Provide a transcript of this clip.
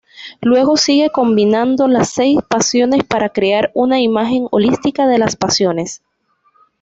Luego sigue combinando las seis pasiones para crear una imagen holística de las pasiones.